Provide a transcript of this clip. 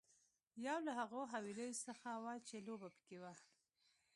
یو له هغو حويليو څخه وه چې لوبه پکې وه.